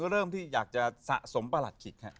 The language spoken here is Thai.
เริ่มที่อยากจะสะสมประหลัดขิกครับ